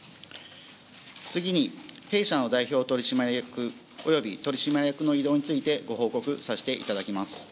次に弊社の代表取締役及び取締役の異動についてご報告させていただきます。